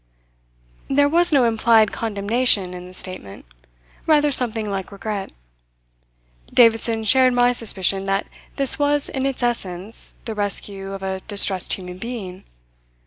There was no implied condemnation in the statement; rather something like regret. Davidson shared my suspicion that this was in its essence the rescue of a distressed human being.